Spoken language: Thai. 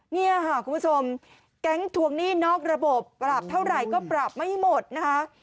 เนี่ยค่ะคุณผู้ชมแก๊งทวงหนี้นอกระบบปรับเท่าไหร่ก็ปรับไม่หมดนะคะ